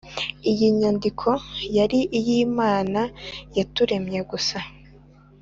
inyandiko yari iy Imana yaturemye gusa